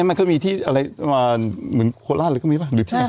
มันก็มีที่อะไรเหมือนโคล่าเรือก็มีไหม